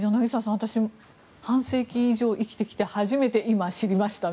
今半世紀以上生きてきて初めて今、知りました。